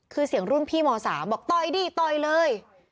คือเสียงรุ่นพี่ม๓บอกต่อยดิต่อยเลย